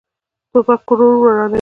توپک کور ورانوي.